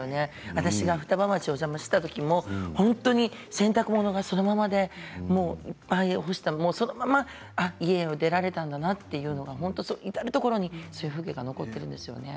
私が双葉町にお邪魔したときも本当に洗濯物がそのままでいっぱい干したそのまま家を出られたんだなというのが至るところにそういう風景が残っているんですよね。